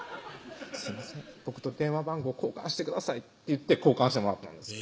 「すいません僕と電話番号交換してください」って言って交換してもらったんです